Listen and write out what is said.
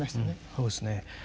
そうですね。